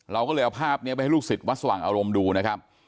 เราก็เลยเอาภาพนี้ไปให้ลูกศิษย์วัดสว่างอารมณ์ดูนะครับ